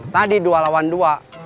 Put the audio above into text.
tadi dua lawan dua